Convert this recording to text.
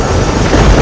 itu udah gila